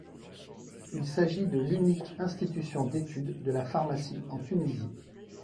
Il s'agit de l'unique institution d'étude de la pharmacie en Tunisie.